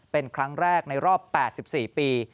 เป็นครั้งแรกในรอบ๘๔ปี